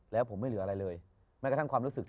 แล้วผมไม่เหลืออะไรเลย